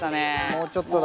もうちょっとだ。